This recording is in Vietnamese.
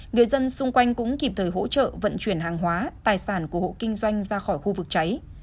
người dân xung quanh cũng kịp thời hỗ trợ vận chuyển hàng hóa tài sản của hộ kinh doanh ra khỏi khu vực cháy